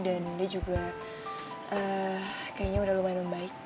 dan dia juga kayaknya udah lumayan membaik